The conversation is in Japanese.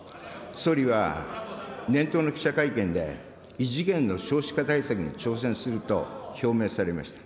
総理は年頭の記者会見で、異次元の少子化対策に挑戦すると表明されました。